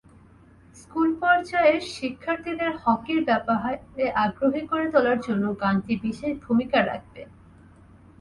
স্কুলপর্যায়ের শিক্ষার্থীদের হকির ব্যাপারে আগ্রহী করে তোলার জন্য গানটি বিশেষ ভূমিকা রাখবে।